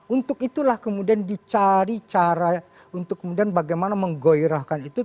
untuk itulah kemudian dicari cara untuk kemudian bagaimana menggoirahkan itu